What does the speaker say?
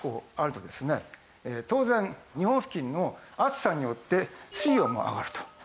当然日本付近の暑さによって水温も上がると。